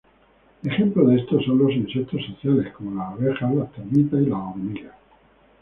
Ejemplo de esto son los insectos sociales como las abejas, termitas y hormigas.